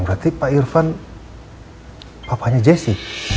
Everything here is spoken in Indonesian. berarti pak irvan papanya jesse